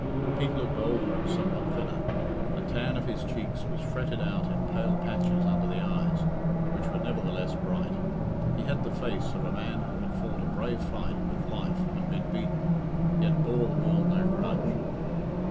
Pete looked older and somewhat thinner; the tan of his cheeks was fretted out in pale patches under the eyes, which were nevertheless bright. He had the face of a man who had fought a brave fight with life and been beaten, yet bore the world no grudge.